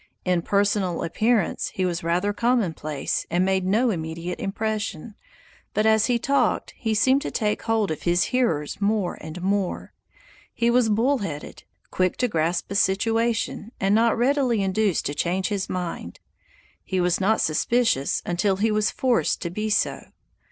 In personal appearance he was rather commonplace and made no immediate impression, but as he talked he seemed to take hold of his hearers more and more. He was bull headed; quick to grasp a situation, and not readily induced to change his mind. He was not suspicious until he was forced to be so.